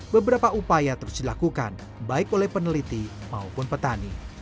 beberapa upaya terus dilakukan baik oleh peneliti maupun petani